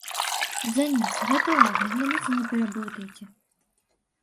Дзяніс, гэта важна, глядзіце, не пераблытайце.